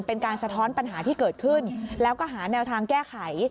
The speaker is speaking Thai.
สะท้อนปัญหาที่เกิดขึ้นแล้วก็หาแนวทางแก้ไข